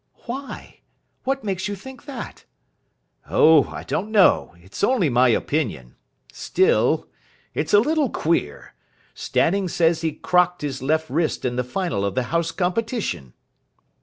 "Why? What makes you think that?" "Oh, I don't know. It's only my opinion. Still, it's a little queer. Stanning says he crocked his left wrist in the final of the House Competition."